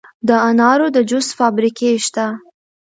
د انارو د جوس فابریکې شته.